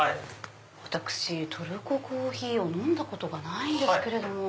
私トルココーヒーを飲んだことがないんですけれども。